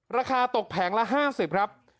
ราคาตกแผงละ๕๐ครับ